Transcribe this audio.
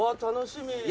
楽しみ。